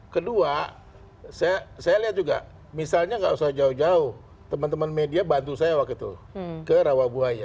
kedua saya lihat juga misalnya nggak usah jauh jauh teman teman media bantu saya waktu itu ke rawabuaya